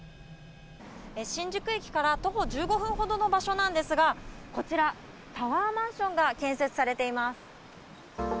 新宿駅から徒歩１５分ほどの場所なんですがこちら、タワーマンションが建設されています。